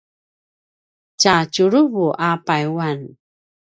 tja tjuruvu a payuan